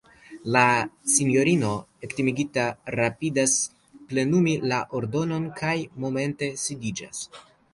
La sinjorino ektimigita rapidas plenumi la ordonon kaj momente sidiĝas.